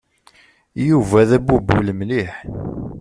Yuba d abubul mliḥ.